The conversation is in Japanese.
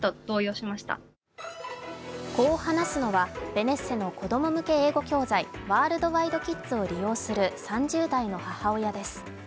こう話すのはベネッセの子供向け英語教材、ＷｏｒｌｄｗｉｄｅＫｉｄｓを利用する３０代の母親です。